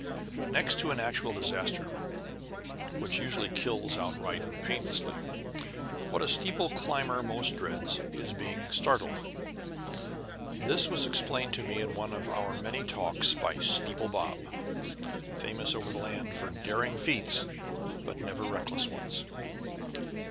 Next to an actual disaster (which usually kills outright and painlessly) what a steeple climber most dreads is being startled. This was explained to me in one of our many talks by "Steeple Bob," famous over the land for daring feats, but never reckless ones.